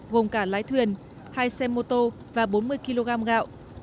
gồm cả lái thuyền hai xe mô tô và bốn mươi kg gạo